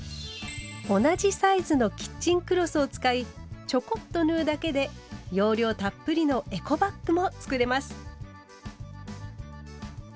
同じサイズのキッチンクロスを使いちょこっと縫うだけで容量たっぷりの「エコバッグ」も作れます。